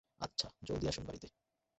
আচ্ছা জলদি আসুন বাড়ীতে।